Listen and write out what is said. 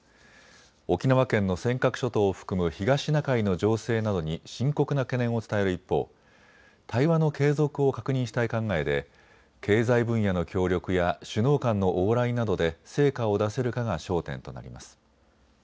沖縄県の尖閣諸島を含む東シナ海の情勢などに深刻な懸念を伝える一方、対話の継続を確認したい考えで経済分野の協力や首脳間の往来などで成果を出せるかが焦点となります。